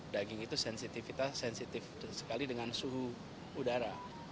daging itu sensitif sekali dengan suhu udara